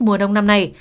mùa đông năm nay